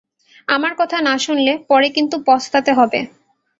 আমার কথা না শুনলে পরে কিন্তু পস্তাতে হবে।